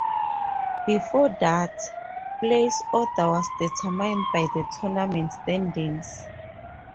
Before that, place order was determined by the tournament standings.